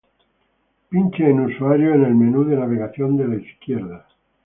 Pinche en Usuarios en el menú de navegación de la izquierda